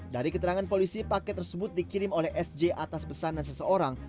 dari keterangan polisi paket tersebut dikirim oleh sj atas pesanan seseorang